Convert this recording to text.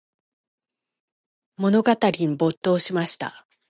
物語に没頭しました。